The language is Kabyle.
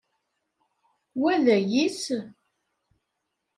Wa d ayis?